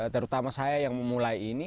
terutama saya yang memulai ini